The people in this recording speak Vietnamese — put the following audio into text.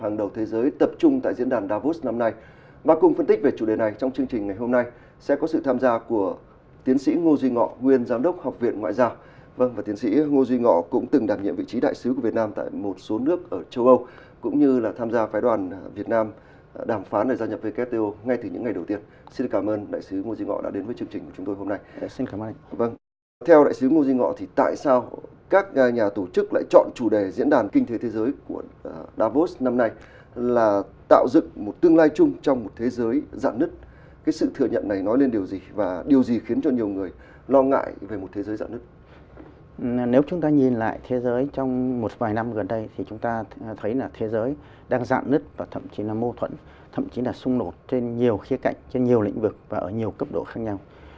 nếu chúng ta nhìn lại thế giới trong một vài năm gần đây thì chúng ta thấy là thế giới đang dạng nứt và thậm chí là mô thuẫn thậm chí là xung đột trên nhiều khía cạnh trên nhiều lĩnh vực và ở nhiều cấp độ khác nhau